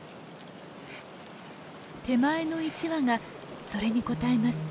手前の１羽がそれに応えます。